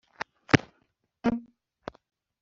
Mutuntu mu miyoborere yawo ugabanijwemo